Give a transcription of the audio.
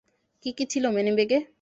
কী কী ছিলো মানিব্যাগে?